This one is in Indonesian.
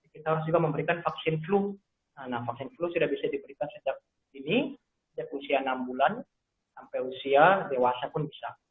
kita harus juga memberikan vaksin flu nah vaksin flu sudah bisa diberikan sejak ini sejak usia enam bulan sampai usia dewasa pun bisa